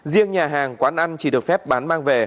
riêng nhà hàng quán ăn chỉ được phép bán mang về